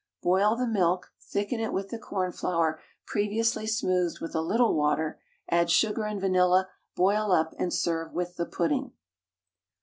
Boil the milk, thicken it with the cornflour previously smoothed with a little water, add sugar and vanilla, boil up, and serve with the pudding.